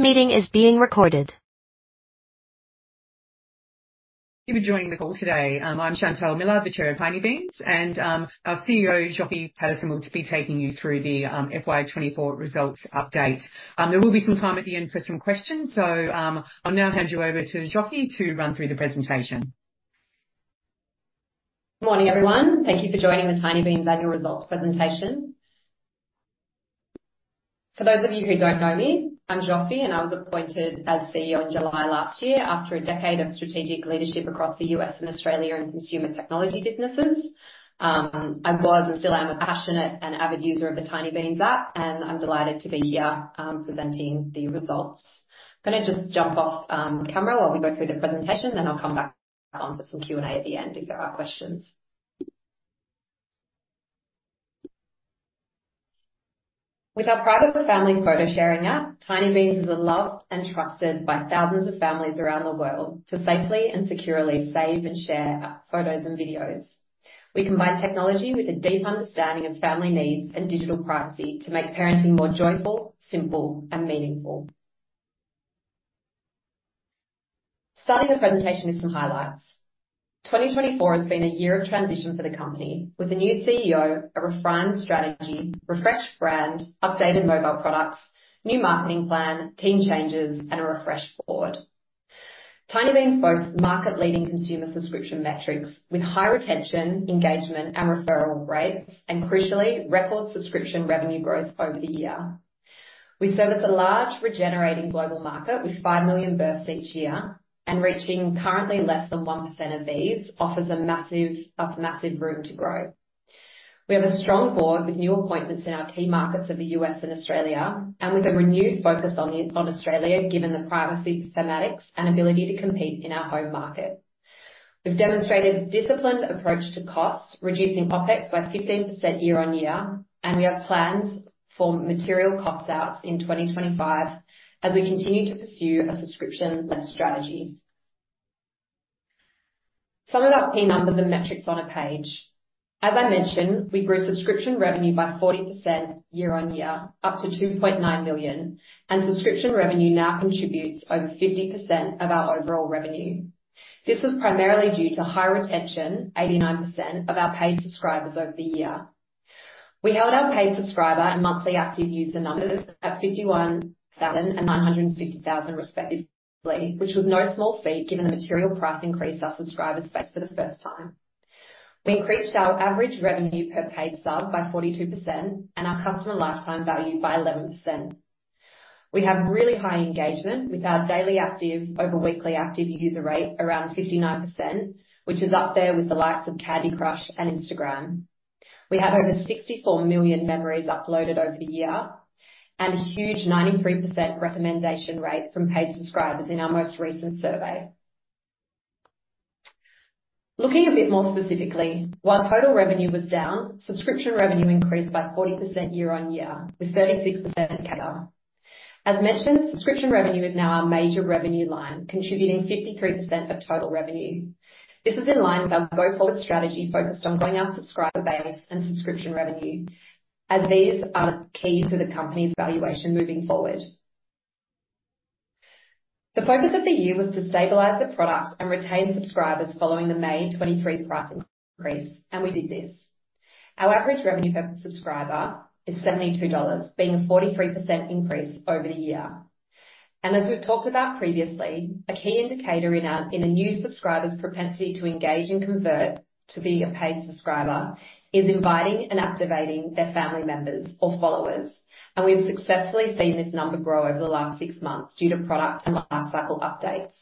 This meeting is being recorded. Thank you for joining the call today. I'm Chantale Millard, the Chair of Tinybeans, and our CEO, Zsofi Paterson, will be taking you through the FY 2024 results update. There will be some time at the end for some questions, so I'll now hand you over to Zsofi to run through the presentation. Good morning, everyone. Thank you for joining the Tinybeans annual results presentation. For those of you who don't know me, I'm Zsofi, and I was appointed as CEO in July last year, after a decade of strategic leadership across the U.S. and Australia in consumer technology businesses. I was and still am a passionate and avid user of the Tinybeans app, and I'm delighted to be here, presenting the results. I'm going to just jump off, camera while we go through the presentation, then I'll come back on for some Q&A at the end if there are questions. With our private family photo sharing app, Tinybeans is loved and trusted by thousands of families around the world to safely and securely save and share, photos and videos. We combine technology with a deep understanding of family needs and digital privacy to make parenting more joyful, simple, and meaningful. Starting the presentation with some highlights. 2024 has been a year of transition for the company, with a new CEO, a refined strategy, refreshed brand, updated mobile products, new marketing plan, team changes, and a refreshed board. Tinybeans boasts market-leading consumer subscription metrics with high retention, engagement, and referral rates, and crucially, record subscription revenue growth over the year. We service a large regenerating global market with five million births each year, and reaching currently less than 1% of these offers a massive room to grow. We have a strong board with new appointments in our key markets of the U.S. and Australia, and with a renewed focus on Australia, given the privacy sensitivities and ability to compete in our home market. We've demonstrated a disciplined approach to costs, reducing OpEx by 15% year on year, and we have plans for material costs out in 2025 as we continue to pursue a subscription-led strategy. Some of our key numbers and metrics on a page. As I mentioned, we grew subscription revenue by 40% year on year, up to $2.9 million, and subscription revenue now contributes over 50% of our overall revenue. This is primarily due to high retention, 89%, of our paid subscribers over the year. We held our paid subscriber and monthly active user numbers at 51,000 and 950,000, respectively, which was no small feat, given the material price increase our subscribers faced for the first time. We increased our average revenue per paid sub by 42% and our customer lifetime value by 11%. We have really high engagement with our daily active over weekly active user rate, around 59%, which is up there with the likes of Candy Crush and Instagram. We have over 64 million memories uploaded over the year and a huge 93% recommendation rate from paid subscribers in our most recent survey. Looking a bit more specifically, while total revenue was down, subscription revenue increased by 40% year on year, with 36% ARR. As mentioned, subscription revenue is now our major revenue line, contributing 53% of total revenue. This is in line with our go-forward strategy, focused on growing our subscriber base and subscription revenue, as these are key to the company's valuation moving forward. The focus of the year was to stabilize the product and retain subscribers following the May 2023 price increase, and we did this. Our average revenue per subscriber is $72, being a 43% increase over the year. And as we've talked about previously, a key indicator in a new subscriber's propensity to engage and convert to being a paid subscriber is inviting and activating their family members or followers. And we've successfully seen this number grow over the last six months due to product and lifecycle updates.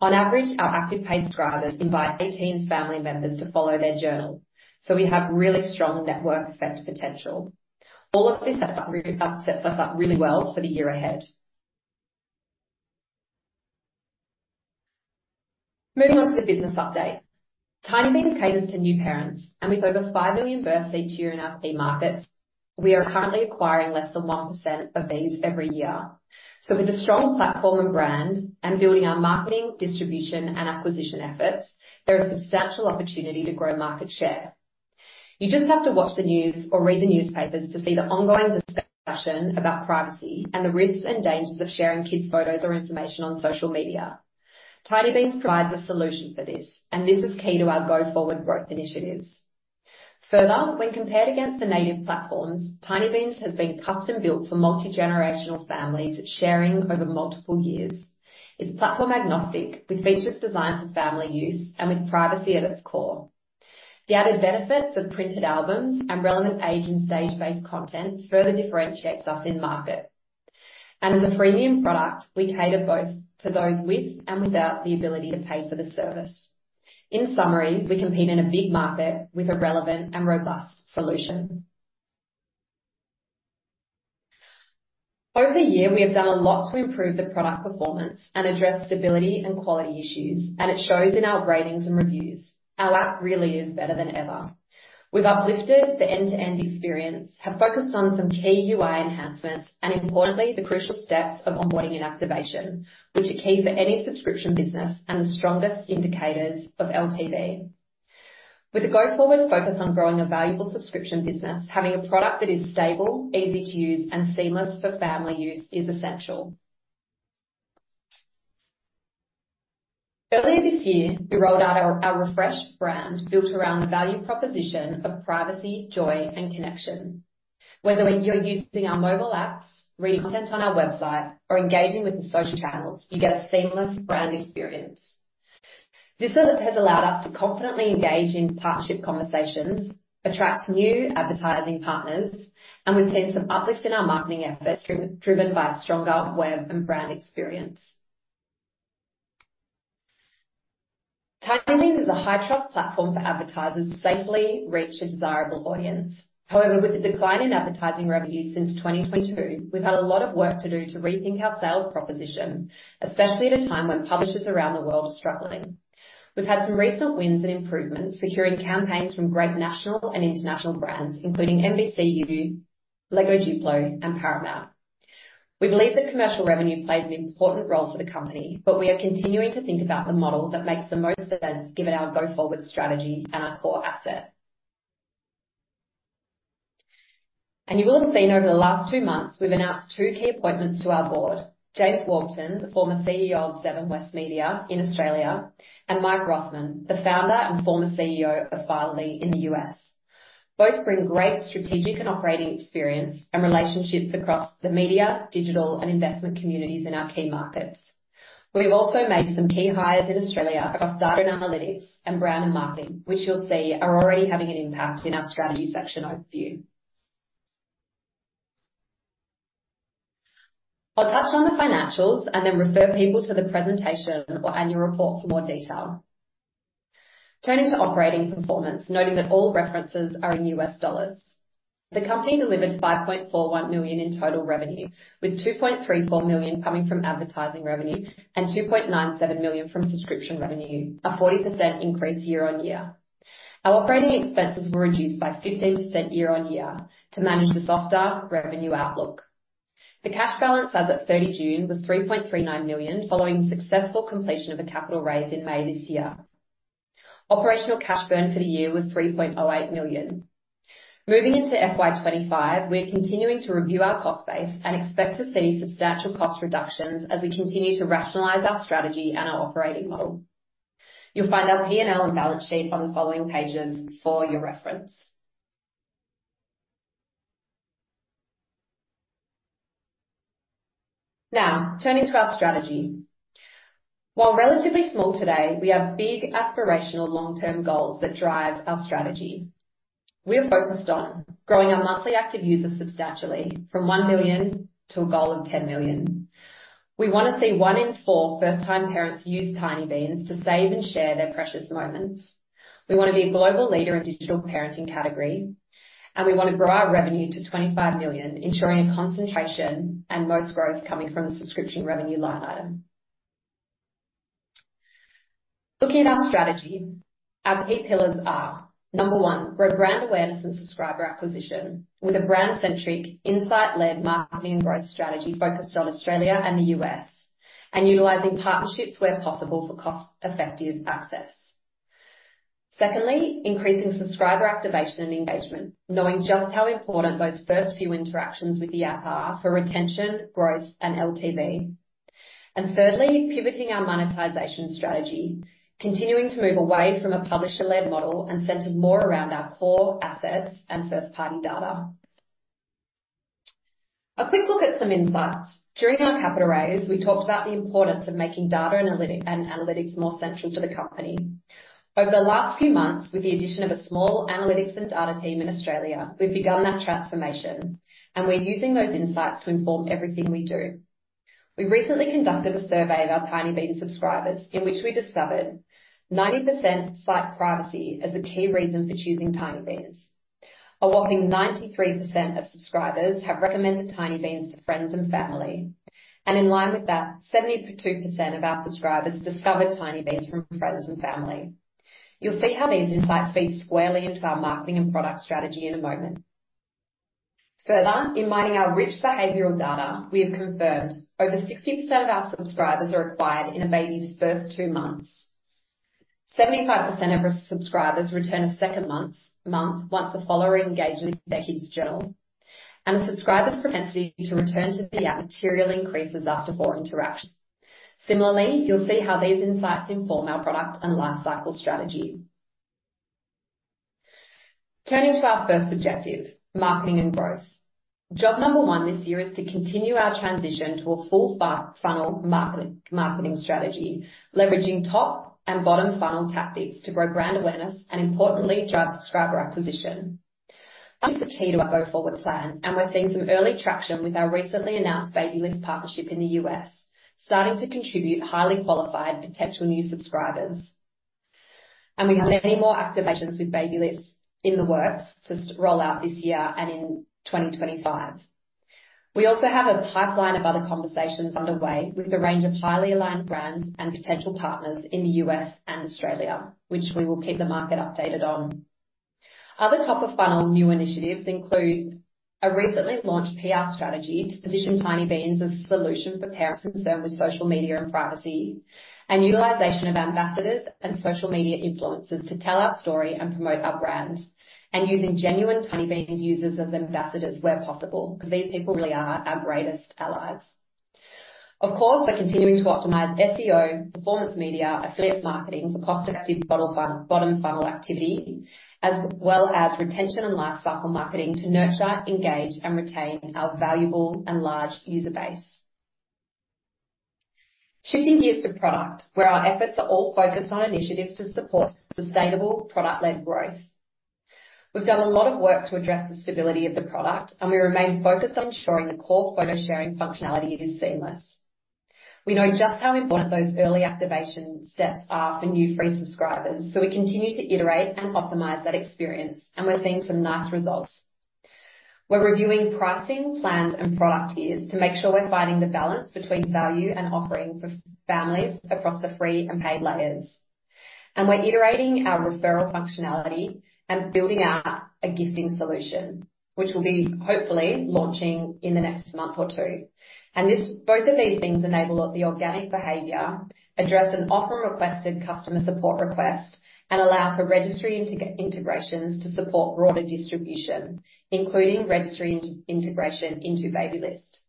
On average, our active paid subscribers invite 18 family members to follow their journal, so we have really strong network effect potential. All of this sets us up really well for the year ahead. Moving on to the business update. Tinybeans caters to new parents, and with over five million births each year in our key markets, we are currently acquiring less than 1% of these every year. So with a strong platform and brand and building our marketing, distribution, and acquisition efforts, there is substantial opportunity to grow market share. You just have to watch the news or read the newspapers to see the ongoing discussion about privacy and the risks and dangers of sharing kids' photos or information on social media. Tinybeans provides a solution for this, and this is key to our go-forward growth initiatives. Further, when compared against the native platforms, Tinybeans has been custom-built for multigenerational families sharing over multiple years. It's platform-agnostic, with features designed for family use and with privacy at its core. The added benefits of printed albums and relevant age-and stage-based content further differentiates us in market. And as a freemium product, we cater both to those with and without the ability to pay for the service. In summary, we compete in a big market with a relevant and robust solution. Over the year, we have done a lot to improve the product performance and address stability and quality issues, and it shows in our ratings and reviews. Our app really is better than ever. We've uplifted the end-to-end experience, have focused on some key UI enhancements, and importantly, the crucial steps of onboarding and activation, which are key for any subscription business and the strongest indicators of LTV. With a go-forward focus on growing a valuable subscription business, having a product that is stable, easy to use, and seamless for family use is essential. Earlier this year, we rolled out our refreshed brand, built around the value proposition of privacy, joy, and connection. Whether when you're using our mobile apps, reading content on our website, or engaging with the social channels, you get a seamless brand experience. This service has allowed us to confidently engage in partnership conversations, attract new advertising partners, and we've seen some uplifts in our marketing efforts driven by a stronger web and brand experience. Tinybeans is a high-trust platform for advertisers to safely reach a desirable audience. However, with the decline in advertising revenue since 2022, we've had a lot of work to do to rethink our sales proposition, especially at a time when publishers around the world are struggling. We've had some recent wins and improvements, securing campaigns from great national and international brands, including NBCU, LEGO Duplo, and Paramount. We believe that commercial revenue plays an important role for the company, but we are continuing to think about the model that makes the most sense given our go-forward strategy and our core asset. And you will have seen over the last two months, we've announced two key appointments to our board: James Warburton, the former CEO of Seven West Media in Australia, and Mike Rothman, the founder and former CEO of Fatherly in the U.S.. Both bring great strategic and operating experience and relationships across the media, digital, and investment communities in our key markets. We've also made some key hires in Australia across data and analytics and brand and marketing, which you'll see are already having an impact in our strategy section overview. I'll touch on the financials and then refer people to the presentation or annual report for more detail. Turning to operating performance, noting that all references are in U.S. dollars. The company delivered $5.41 million in total revenue, with $2.34 million coming from advertising revenue and $2.97 million from subscription revenue, a 40% increase year on year. Our operating expenses were reduced by 15% year on year to manage the softer revenue outlook. The cash balance as at 30th June was $3.39 million, following the successful completion of a capital raise in May this year. Operational cash burn for the year was $3.08 million. Moving into FY 2025, we're continuing to review our cost base and expect to see substantial cost reductions as we continue to rationalize our strategy and our operating model. You'll find our P&L and balance sheet on the following pages for your reference. Now, turning to our strategy. While relatively small today, we have big, aspirational, long-term goals that drive our strategy. We are focused on growing our monthly active users substantially from one million to a goal of 10 million. We want to see one in four first-time parents use Tinybeans to save and share their precious moments. We want to be a global leader in digital parenting category, and we want to grow our revenue to $25 million, ensuring a concentration and most growth coming from the subscription revenue line item. Looking at our strategy, our key pillars are: number one, grow brand awareness and subscriber acquisition with a brand-centric, insight-led marketing growth strategy focused on Australia and the US, and utilizing partnerships where possible for cost-effective access. Secondly, increasing subscriber activation and engagement, knowing just how important those first few interactions with the app are for retention, growth, and LTV. And thirdly, pivoting our monetization strategy, continuing to move away from a publisher-led model and centered more around our core assets and first-party data. A quick look at some insights. During our capital raise, we talked about the importance of making data analytics more central to the company. Over the last few months, with the addition of a small analytics and data team in Australia, we've begun that transformation, and we're using those insights to inform everything we do. We recently conducted a survey of our Tinybeans subscribers, in which we discovered 90% cite privacy as a key reason for choosing Tinybeans. A whopping 93% of subscribers have recommended Tinybeans to friends and family, and in line with that, 72% of our subscribers discovered Tinybeans from friends and family. You'll see how these insights feed squarely into our marketing and product strategy in a moment. Further, in mining our rich behavioral data, we have confirmed over 60% of our subscribers are acquired in a baby's first two months. 75% of our subscribers return a second month, once a follower engages with their kid's journal, and a subscriber's propensity to return to the app materially increases after four interactions. Similarly, you'll see how these insights inform our product and lifecycle strategy. Turning to our first objective, marketing and growth. Job number one this year is to continue our transition to a full funnel marketing strategy, leveraging top and bottom funnel tactics to grow brand awareness, and importantly, drive subscriber acquisition. This is key to our go-forward plan, and we're seeing some early traction with our recently announced Babylist partnership in the U.S., starting to contribute highly qualified potential new subscribers. And we have many more activations with Babylist in the works to roll out this year and in 2025. We also have a pipeline of other conversations underway with a range of highly aligned brands and potential partners in the U.S. and Australia, which we will keep the market updated on. Other top-of-funnel new initiatives include: a recently launched PR strategy to position Tinybeans as a solution for parents concerned with social media and privacy, and utilization of ambassadors and social media influencers to tell our story and promote our brand, and using genuine Tinybeans users as ambassadors where possible, because these people really are our greatest allies. Of course, we're continuing to optimize SEO, performance media, affiliate marketing for cost-effective bottom funnel activity, as well as retention and lifecycle marketing to nurture, engage, and retain our valuable and large user base. Switching gears to product, where our efforts are all focused on initiatives to support sustainable product-led growth. We've done a lot of work to address the stability of the product, and we remain focused on ensuring the core photo sharing functionality is seamless. We know just how important those early activation steps are for new free subscribers, so we continue to iterate and optimize that experience, and we're seeing some nice results. We're reviewing pricing, plans, and product tiers to make sure we're finding the balance between value and offering for families across the free and paid layers, and we're iterating our referral functionality and building out a gifting solution, which will be hopefully launching in the next month or two. And this both of these things enable the organic behavior, address an often requested customer support request, and allow for registry integrations to support broader distribution, including registry integration into Babylist.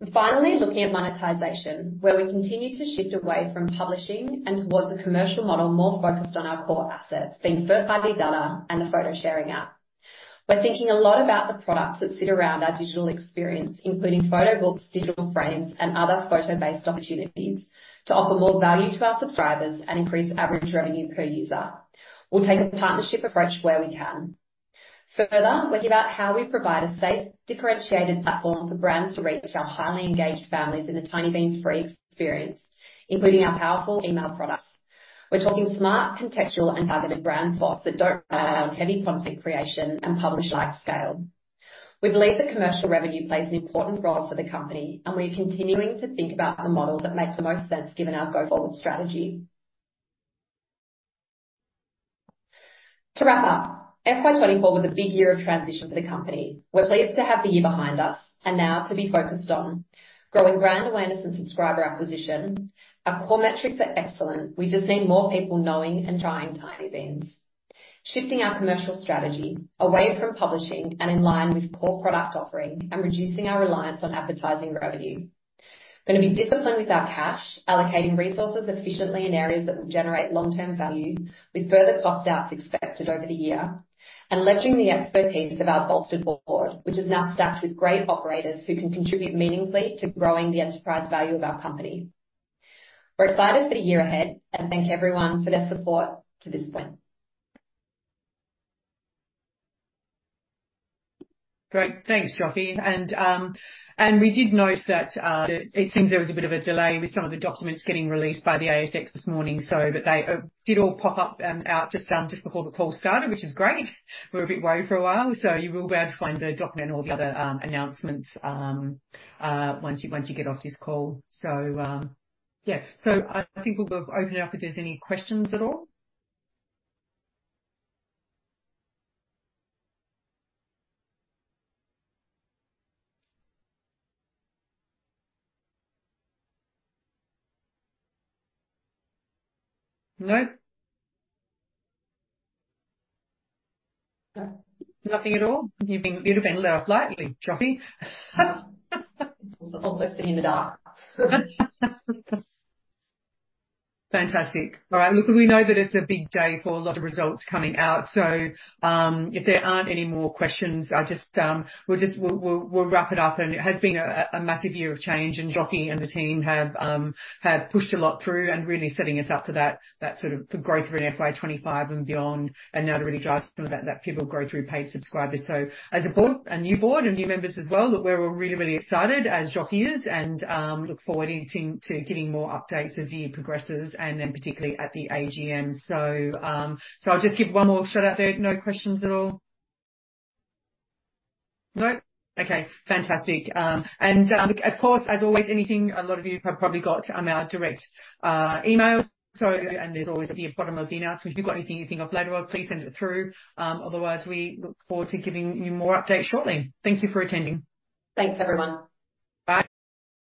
And finally, looking at monetization, where we continue to shift away from publishing and towards a commercial model, more focused on our core assets, being first-party data and the photo sharing app. We're thinking a lot about the products that sit around our digital experience, including photo books, digital frames, and other photo-based opportunities to offer more value to our subscribers and increase average revenue per user. We'll take a partnership approach where we can. Further, we think about how we provide a safe, differentiated platform for brands to reach our highly engaged families in the Tinybeans free experience, including our powerful email products. We're talking smart, contextual, and targeted brand spots that don't rely on heavy content creation and publish-like scale. We believe that commercial revenue plays an important role for the company, and we're continuing to think about the model that makes the most sense given our go-forward strategy. To wrap up, FY 2024 was a big year of transition for the company. We're pleased to have the year behind us and now to be focused on growing brand awareness and subscriber acquisition. Our core metrics are excellent. We just need more people knowing and trying Tinybeans. Shifting our commercial strategy away from publishing and in line with core product offering and reducing our reliance on advertising revenue. We're gonna be disciplined with our cash, allocating resources efficiently in areas that will generate long-term value, with further cost outs expected over the year and leveraging the expertise of our bolstered board, which is now staffed with great operators who can contribute meaningfully to growing the enterprise value of our company. We're excited for the year ahead and thank everyone for their support to this point. Great. Thanks, Zsofi. And and we did note that it seems there was a bit of a delay with some of the documents getting released by the ASX this morning, so but they did all pop up out just before the call started, which is great. We were a bit worried for a while, so you will be able to find the document and all the other announcements once once you get off this call. So, yeah. So I think we'll go open it up if there's any questions at all. No? Nothing at all. You've been let off lightly, Zsofi. Also sitting in the dark. Fantastic. All right, look, we know that it's a big day for a lot of results coming out, so if there aren't any more questions, I'll just we'll just wrap it up. It has been a massive year of change, and Zsofi and the team have have pushed a lot through and really setting us up for that sort of growth in FY 2025 and beyond, and now to really drive some of that people grow through paid subscribers. So as a board, a new board and new members as well, look, we're all really, really excited as Zsofi is and look forward to getting more updates as the year progresses and then particularly at the AGM. So so I'll just give one more shout out there. No questions at all? No. Okay, fantastic. And, of course, as always, anything, a lot of you have probably got our direct emails, so and there's always at the bottom of the announcement. So if you've got anything you think of later on, please send it through. Otherwise, we look forward to giving you more updates shortly. Thank you for attending. Thanks, everyone. Bye.